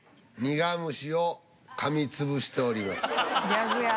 ギャグや。